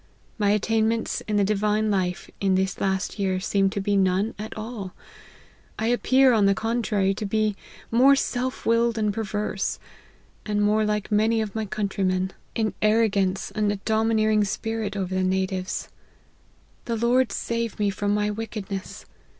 My attainments in the divine life, in this last year, seem to be none at all ; 1 appear, on the contrary, to be more self willed and perverse ; and more like many of my country men, in arrogance and a domineering spirit over 108 LIFE OF HENRY MARTYN. the natives. The Lord save me from my wicked ness